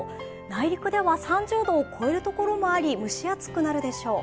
内陸では３０度を超えるところもあり、蒸し暑くなるでしょう。